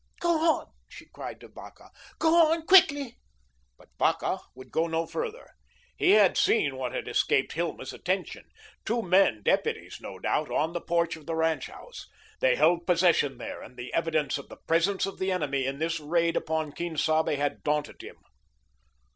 "Go on," she cried to Vacca, "go on quickly." But Vacca would go no further. He had seen what had escaped Hilma's attention, two men, deputies, no doubt, on the porch of the ranch house. They held possession there, and the evidence of the presence of the enemy in this raid upon Quien Sabe had daunted him.